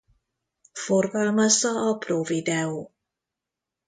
Forgalmazza a Pro Video.